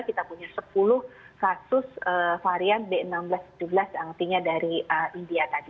kita punya sepuluh kasus varian b satu satu tujuh belas antinya dari india tadi